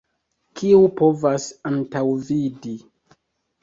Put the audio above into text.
Kiu povas antaŭvidi!